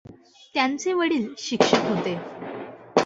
त्यांचे वडील शिक्षक होते.